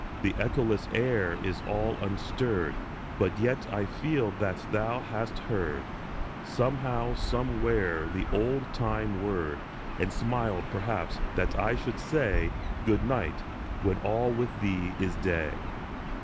The echoless air is all unstirred, But yet I feel that thou hast heard, Somehow, somewhere, the old time word, And smiled, perhaps, that I should say " Good night," when all with thee is Day.